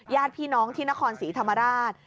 ญาติพี่น้องที่นครศรีธรรมราช